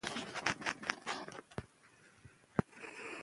که باران وي نو رنګ نه پاکیږي.